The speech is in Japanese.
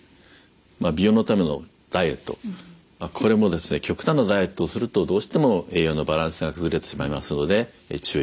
まあ美容のためのダイエットまあこれもですね極端なダイエットをするとどうしても栄養のバランスが崩れてしまいますので注意が必要です。